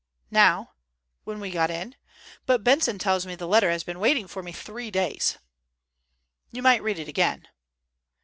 "Now, when we got in; but Benson tells me the letter has been waiting for me for three days." "You might read it again."